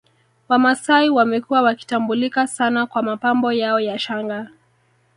Wamasai wamekuwa wakitambulika sana kwa mapambo yao ya shanga